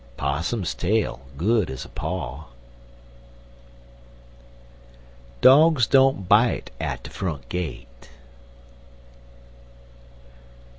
Possum's tail good as a paw. Dogs don't bite at de front gate.